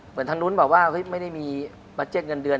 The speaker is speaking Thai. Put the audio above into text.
เหมือนทางนู้นบอกว่าไม่ได้มีบัจเจ็ตเงินเดือน